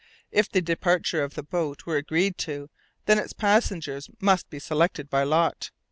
If the departure of the boat were agreed to, then its passengers must be selected by lot.